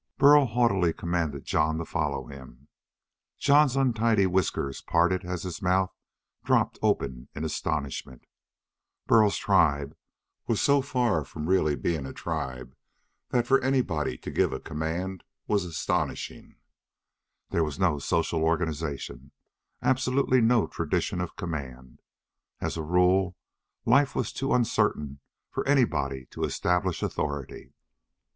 Burl haughtily commanded Jon to follow him. Jon's untidy whiskers parted as his mouth dropped open in astonishment. Burl's tribe was so far from being really a tribe that for anybody to give a command was astonishing. There was no social organization, absolutely no tradition of command. As a rule life was too uncertain for anybody to establish authority.